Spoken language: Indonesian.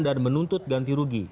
dan menuntut ganti rugi